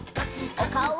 おかおを！